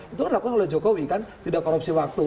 itu kan dilakukan oleh jokowi kan tidak korupsi waktu